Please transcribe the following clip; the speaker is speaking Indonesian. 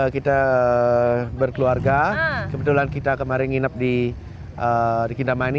kita berkeluarga kebetulan kita kemarin nginap di kintamani